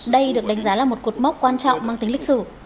đây được đánh giá là một cột mốc quan trọng mang tính lịch sử